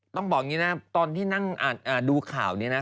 ต้องบอกอย่างนี้นะตอนที่นั่งดูข่าวนี้นะ